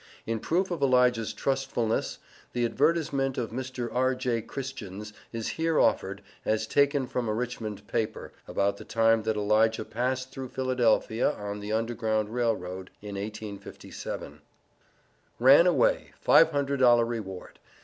In proof of Elijah's truthfulness, the advertisement of Mr. R.J. Christians is here offered, as taken from a Richmond paper, about the time that Elijah passed through Philadelphia on the Underground Rail Road, in 1857. RAN AWAY $500 REWARD.